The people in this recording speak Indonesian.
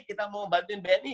kita mau bantuin bni